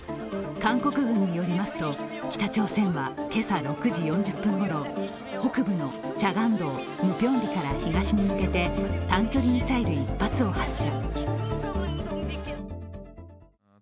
韓国軍によりますと、北朝鮮は今朝６時４０分ごろ、北部のチャガンドムピョンリから東に向けて短距離ミサイル１発を発射。